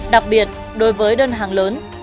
đặc biệt đối với đơn hàng lớn